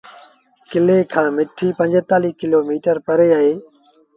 ڪلي کآݩ مٺيٚ پنجيتآليٚه ڪلو ميٚٽر پري اهي۔